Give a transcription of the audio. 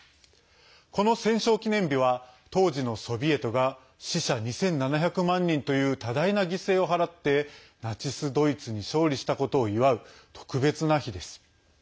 この戦勝記念日は当時のソビエトが死者２７００万人という多大な犠牲を払ってナチス・ドイツに勝利したことを祝う特別な日です。